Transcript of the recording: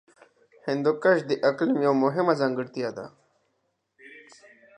هندوکش د اقلیم یوه مهمه ځانګړتیا ده.